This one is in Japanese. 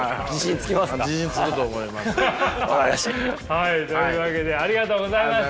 はいというわけでありがとうございました。